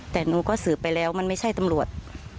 แต่หนูก็สืบไปแล้วมันไม่ใช่ตำรวจ